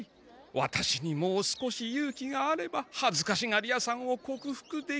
ワタシにもう少し勇気があればはずかしがりやさんを克服できる。